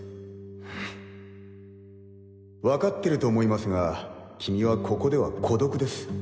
うんわかってると思いますが君はここでは孤独です。